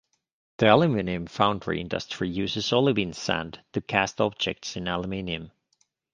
The aluminium foundry industry uses olivine sand to cast objects in aluminium.